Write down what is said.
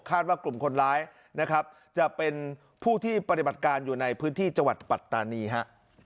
ว่ากลุ่มคนร้ายนะครับจะเป็นผู้ที่ปฏิบัติการอยู่ในพื้นที่จังหวัดปัตตานีฮะ